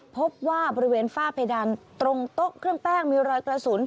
พบว่าบริเวณฝ้าเพดานตรงโต๊ะเครื่องแป้งมีรอยกระสุน